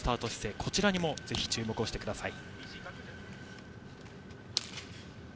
ぜひ、こちらにも注目してください。